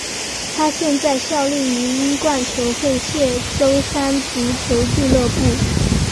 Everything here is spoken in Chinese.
他现在效力于英冠球会谢周三足球俱乐部。